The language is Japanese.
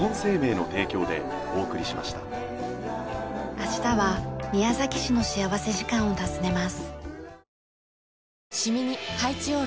明日は宮崎市の幸福時間を訪ねます。